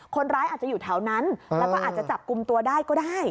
คนร้ายอาจจะอยู่แถวนั้นแล้วก็อาจจะจับกลุ่มตัวได้ก็ได้